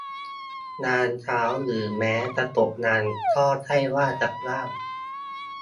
งานเข้า หรือแม้จะตกงานก็ใช่ว่าจะว่าง